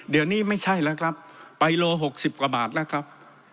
เดี๋ยวนี้สิบสองสิบสามสิบสี่บาทครับ